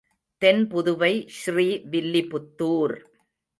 தென் Puduvai Sri Villiputhur.